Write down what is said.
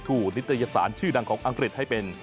นิตยสารชื่อดังของอังกฤษให้เป็น